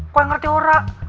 kok ngerti orang